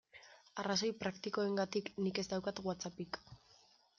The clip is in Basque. Arrazoi praktikoengatik nik ez daukat WhatsAppik.